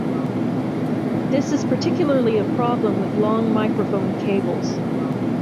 This is particularly a problem with long microphone cables.